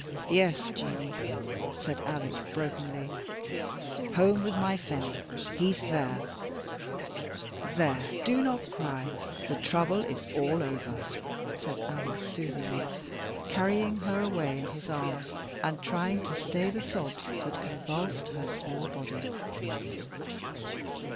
"Yes, Jeanie," said Alec, brokenly, "home with my Phemie: he's there. There, do not cry; the trouble is all over," said Alec, soothingly, carrying her away in his arms, and trying to stay the sobs that convulsed her small body.